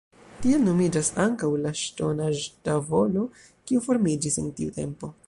Tiel nomiĝas ankaŭ la ŝtonaĵ-tavolo, kiu formiĝis en tiu tempo.